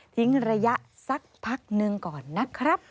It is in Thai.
ทิ้งระยะสักพักหนึ่งก่อนนะครับ